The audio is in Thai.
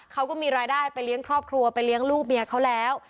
เขาก็มีรายได้ไปเลี้ยงครอบครัวไปเลี้ยงลูกเมียเขาแล้ว